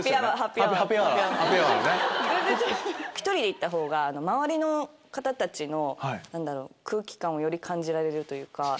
１人で行ったほうが周りの方たちの空気感をより感じられるというか。